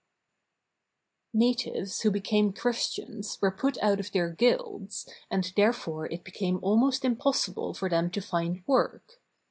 [Natives who became Christians were put out of their guilds, and therefore it became almost impossible for them to find work.